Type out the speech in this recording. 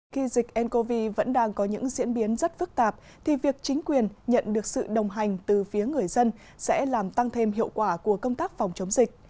khi dịch ncov vẫn đang có những diễn biến rất phức tạp thì việc chính quyền nhận được sự đồng hành từ phía người dân sẽ làm tăng thêm hiệu quả của công tác phòng chống dịch